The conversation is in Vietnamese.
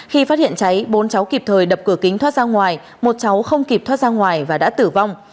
khi phát hiện cháy bốn cháu kịp thời đập cửa kính thoát ra ngoài một cháu không kịp thoát ra ngoài và đã tử vong